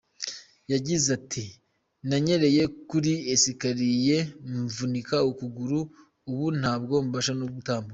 Yagize ati “Nanyereye kuri escaliers mvunika ukuguru ubu ntabwo mbasha gutambuka.